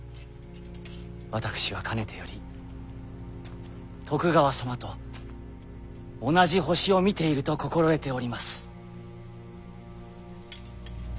私はかねてより徳川様と同じ星を見ていると心得ております。